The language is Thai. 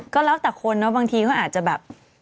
ก็แล้วแต่คนเนาะบางทีเขาอาจจะแบบ